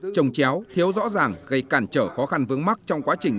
trông chéo thiếu rõ ràng gây cản trở khó khăn vướng mắc trong quá trình